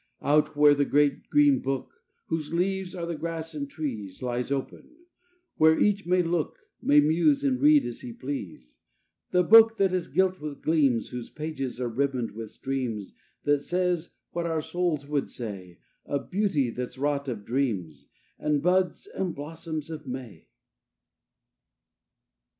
III Out there where the great, green book, Whose leaves are the grass and trees, Lies open; where each may look, May muse and read as he please; The book, that is gilt with gleams, Whose pages are ribboned with streams; That says what our souls would say Of beauty that's wrought of dreams And buds and blossoms of May.